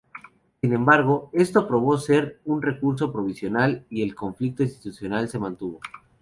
Sin embargo, esto probó ser un recurso provisional y el conflicto institucional se mantuvo.